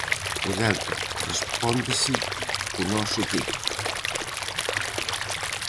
O delta correspóndese co noso d.